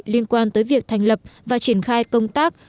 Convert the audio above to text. liên quan tới việc thành lập và triển khai công tác